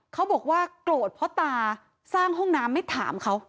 เขาบอกว่าโกรธพ่อตาสร้างห้องน้ำไม่ถามเขา